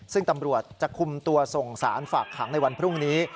ซึ่งตำรวจจะคุมตัวส่งสารฝากขังในวันพรุ่งนี้